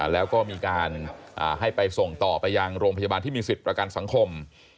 แล้วก็ให้ส่งหลวกไปต่อไปยังโรงพจบาลที่มีสิทธิ์ประกันสังคม